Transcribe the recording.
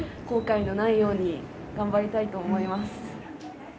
後悔のないように頑張りたいと思います。